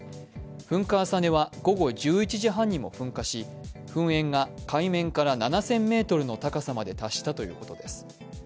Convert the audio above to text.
噴火朝根は午後１１時半にも噴火し、噴煙が海面から７０００ｍの高さまで達したということです。